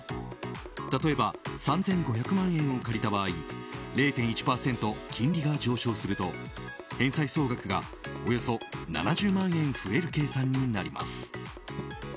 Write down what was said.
例えば３５００万円を借りた場合０．１％、金利が上昇すると返済総額がおよそ７０万円増える計算になります。